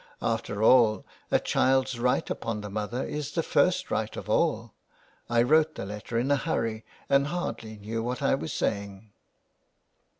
After all a child's right upon the mother is the first right of all. I wrote the letter in a hurry, and hardly knew what I was saying."